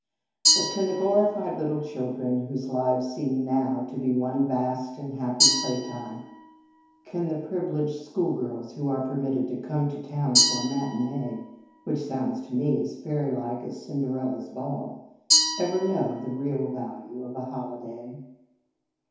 But can the glorified little children whose lives seem now to be one vast and happy playtime, can the privi leged schoolgirls who are permitted to come to town for a matinee, which sounds to me as fairy like as Cinderella s ball, ever know the real value of a holiday?